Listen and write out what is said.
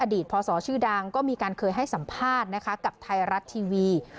พศชื่อดังก็มีการเคยให้สัมภาษณ์นะคะกับไทยรัฐทีวี